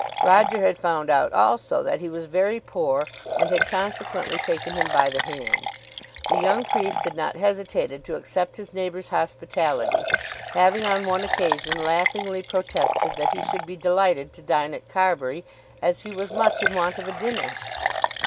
Roger had found out also that he was very poor, and had consequently taken him by the hand. The young priest had not hesitated to accept his neighbour's hospitality, having on one occasion laughingly protested that he should be delighted to dine at Carbury, as he was much in want of a dinner.